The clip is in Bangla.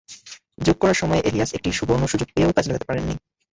যোগ করা সময়ে এলিয়াস একটা সুবর্ণ সুযোগ পেয়েও কাজে লাগাতে পারেননি।